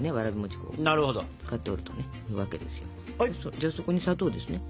じゃあそこに砂糖ですね。